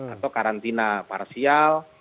atau karantina parsial